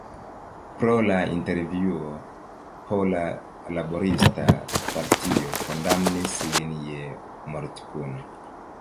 Pro la intervjuo Pola Laborista Partio kondamnis lin je mortpuno.